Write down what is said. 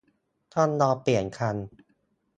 ต้องรอเปลี่ยนคัน